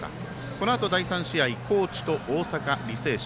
このあと第３試合高知と大阪・履正社。